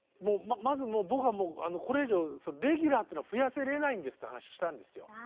まずもう僕はもうこれ以上レギュラーというのは増やせれないんですって話したんですよ。